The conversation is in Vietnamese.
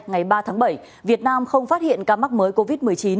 ngày ba tháng bảy việt nam không phát hiện ca mắc mới covid một mươi chín